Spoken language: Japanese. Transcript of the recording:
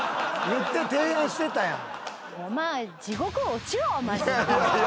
言って提案してたやん。